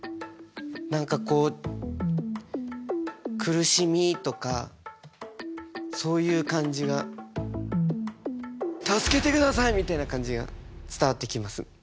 何かこう苦しみとかそういう感じが「助けてください」みたいな感じが伝わってきます。